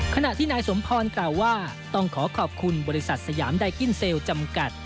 ขณะที่นายสมพรกล่าวว่าต้องขอขอบคุณบริษัทสยามไดกินเซลล์จำกัด